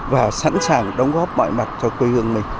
và sẵn sàng đóng góp mọi mặt cho quê hương mình